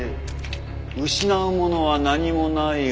失うものは何もない俺。